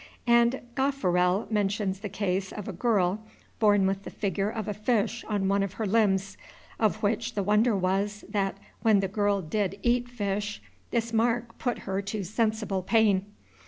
And Gaffarel mentions the case of a girl born with the figure of a fish on one of her limbs, of which the wonder was, that, when the girl did eat fish, this mark put her to sensible pain.